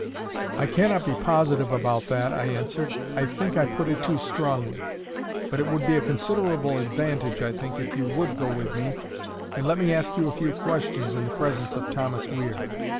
"I cannot be positive about that," I answered. "I think I put it too strongly. But it would be a considerable advantage, I think, if you WOULD go with me and let me ask you a few questions in the presence of Thomas Weir.